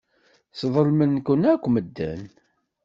Sḍelmen-ken akk medden.